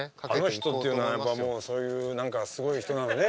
あの人っていうのはやっぱもうそういう何かすごい人なのね。